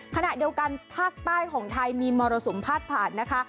ขณะเดียวกันภาคใต้ของไทยมีมรสุมพาดผ่านนะคะ